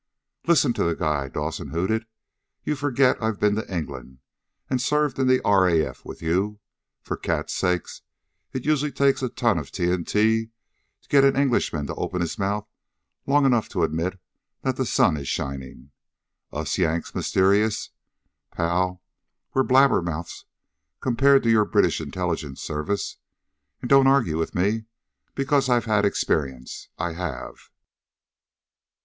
"Listen to the guy!" Dawson hooted. "You forget I've been to England, and served in the R.A.F. with you. For cat's sake, it usually takes a ton of TNT to get an Englishman to open his mouth long enough to admit that the sun is shining. Us Yanks mysterious? Pal, we're blabber mouths compared with your British Intelligence Service. And don't argue with me, because I've had experience, I have!"